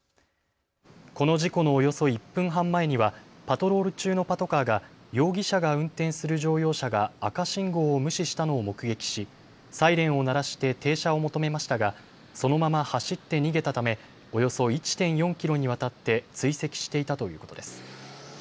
この事故のおよそ１分半前にはパトロール中のパトカーが容疑者が運転する乗用車が赤信号を無視したのを目撃しサイレンを鳴らして停車を求めましたがそのまま走って逃げたためおよそ１．４キロにわたって追跡していたということです。